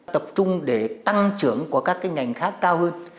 tập trung để tăng trưởng của các ngành khác cao hơn